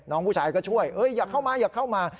น้องผู้ชายก็ช่วยอย่าเข้ามาอย่าเข้ามา